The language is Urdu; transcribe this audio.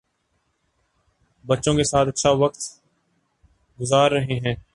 بچوں کے ساتھ اچھا وقت گذار رہے ہیں